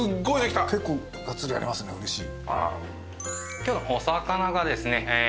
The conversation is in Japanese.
今日のお魚がですね